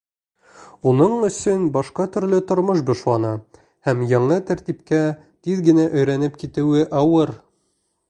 Уның өсөн башҡа төрлө тормош башлана һәм яңы тәртипкә тиҙ генә өйрәнеп китеүе ауыр.